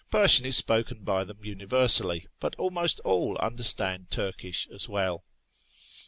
Persian is spoken by them universally, but almost all understand Turkish as well.